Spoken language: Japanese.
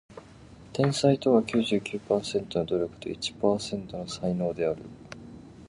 天才とは九十九パーセントの努力と一パーセントの才能である